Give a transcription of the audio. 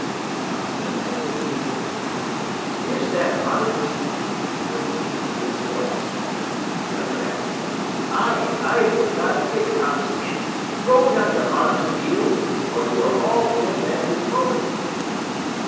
Tom Smith answered immediately, "Is that Robinson?" for it seems he knew the voice. The other answered, "Ay, ay; for God's sake, Tom Smith, throw down your arms and yield, or you are all dead men this moment."